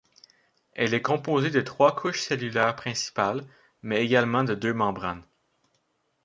Elle est composée de trois couches cellulaires principales, mais également de deux membranes.